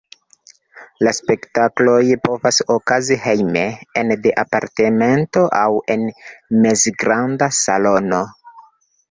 La spektakloj povas okazi hejme, ene de apartamento, aŭ en mezgranda salono.